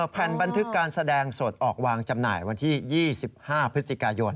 แผ่นบันทึกการแสดงสดออกวางจำหน่ายวันที่๒๕พฤศจิกายน